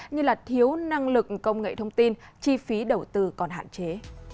như thiếu năng lực công nghệ thông tin chi phí đầu tư còn hạn chế